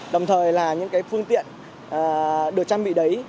đồng thời là những cái phương tiện được trang bị đấy